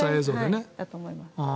そうだと思います。